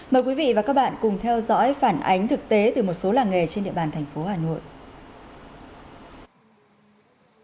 mời quý vị và các bạn cùng theo dõi phản ánh thực tế từ một số làng nghề trên địa bàn thành phố hà nội